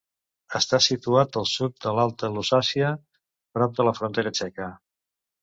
Està situat al sud de l'Alta Lusàcia, prop de la frontera txeca.